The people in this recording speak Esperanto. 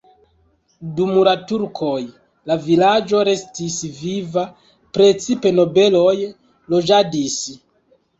Dum la turkoj la vilaĝo restis viva, precipe nobeloj loĝadis.